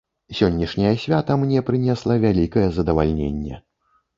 Сённяшняе свята мне прынесла вялікае задавальненне.